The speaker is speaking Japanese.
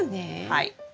はい。